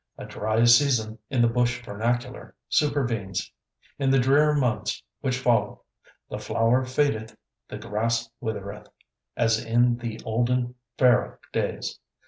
"A dry season," in the bush vernacular, supervenes. In the drear months which follow, "the flower fadeth, the grass withereth" as in the olden Pharaoh days.